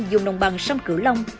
dùng nồng bằng xăm cửa lông